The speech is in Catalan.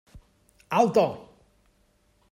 Alto!